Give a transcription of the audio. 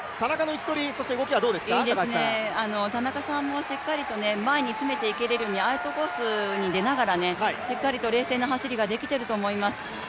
いいですね、田中さんもしっかり前に詰めていけれる、アウトコースに出ながら、冷静な走りができていると思います。